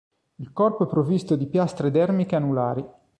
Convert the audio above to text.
Il corpo è provvisto di piastre dermiche anulari.